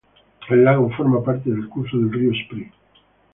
El lago forma parte del curso del río Spree.